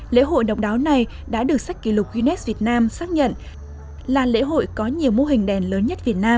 lễ hội động đáo này đã được sách kỷ lục unies vietnam xác nhận là lễ hội có nhiều mô hình đèn lớn nhất việt nam